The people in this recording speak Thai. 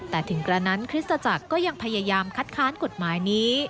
แต่ถึงกระนั้นคริสตจักรก็ยังพยายามคัดค้านกฎหมายนี้